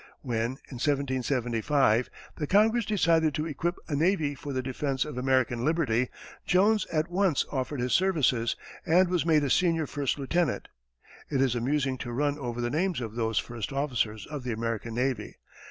When, in 1775, the Congress decided to "equip a navy for the defence of American liberty," Jones at once offered his services, and was made a senior first lieutenant. It is amusing to run over the names of those first officers of the American navy.